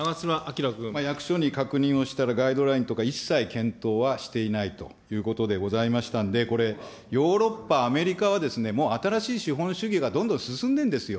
役所に確認をしたら、ガイドラインとか一切検討はしていないということでございましたので、これ、ヨーロッパ、アメリカはもう新しい資本主義がどんどん進んでるんですよ。